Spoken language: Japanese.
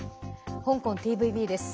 香港ＴＶＢです。